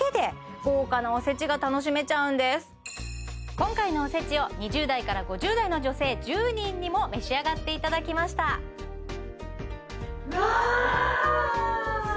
今回のおせちを２０代から５０代の女性１０人にも召し上がっていただきました・うわ！